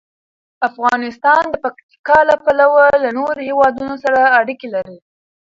افغانستان د پکتیکا له پلوه له نورو هېوادونو سره اړیکې لري.